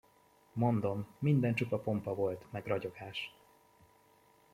Mondom, minden csupa pompa volt meg ragyogás.